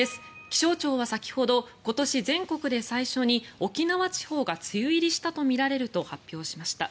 気象庁は先ほど今年、全国で最初に沖縄地方が梅雨入りしたとみられると発表しました。